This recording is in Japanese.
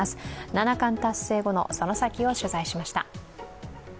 七冠達成後のその先を取材しました。